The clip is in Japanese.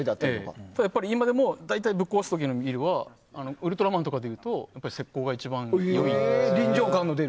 今でも大体ぶっ壊す時のビルは「ウルトラマン」とかだと石膏が一番いいんですね。